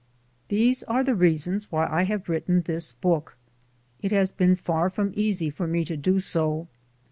These are the reasons why I have written this book. It has been far from easy for me to do so.